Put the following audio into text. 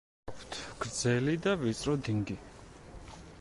აქვთ გრძელი და ვიწრო დინგი.